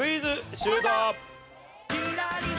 シュート！